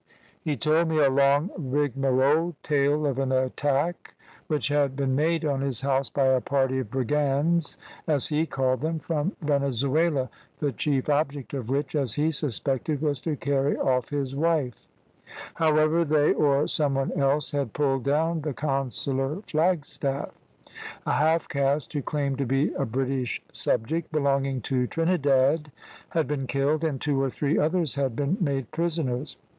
"He told me a long rigmarole tale of an attack which had been made on his house by a party of brigands, as he called them, from Venezuela, the chief object of which, as he suspected, was to carry off his wife; however, they, or some one else, had pulled down the consular flagstaff. A half caste, who claimed to be a British subject, belonging to Trinidad, had been killed, and two or three others had been made prisoners.